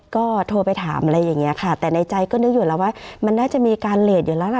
ก็โทรไปถามอะไรอย่างนี้ค่ะแต่ในใจก็นึกอยู่แล้วว่ามันน่าจะมีการเลสอยู่แล้วล่ะ